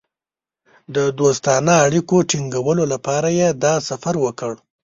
د دوستانه اړیکو ټینګولو لپاره یې دا سفر وکړ.